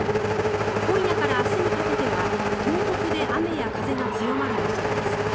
今夜から明日にかけては東北で雨や風が強まる予想です。